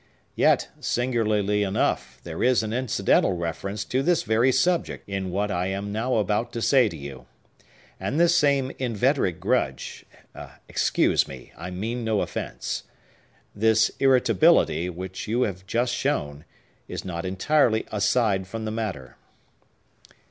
Yet, singularly enough, there is an incidental reference to this very subject in what I am now about to say to you. And this same inveterate grudge,—excuse me, I mean no offence,—this irritability, which you have just shown, is not entirely aside from the matter."